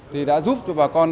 thì đã giúp cho bà con